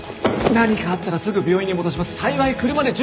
何かあったらすぐ病院に戻します。